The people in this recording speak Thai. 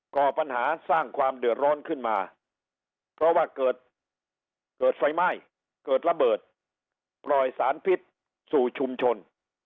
ก่อปัญหาสร้างความเดือดร้อนขึ้นมาเพราะว่าเกิดไฟไหม้เกิดระเบิดปล่อยสารพิษสู่ชุมชน